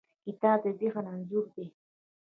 کتاب د ذهن انځور دی.